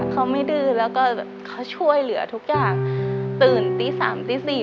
เขาไม่ดื้อแล้วก็แบบเขาช่วยเหลือทุกอย่างตื่นตี๓ตี๔